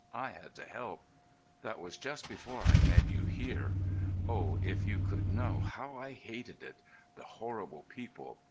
I had to help. That was just before I met you here.... Oh, if you could know how I hated it. The horrible people.